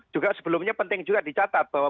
juga sebelumnya penting juga dicatat bahwa